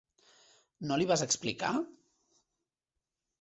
No li vas explicar?